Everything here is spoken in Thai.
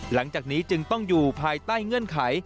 หลังจากนี้จึงต้องอยู่ภายใต้เงื่อนไข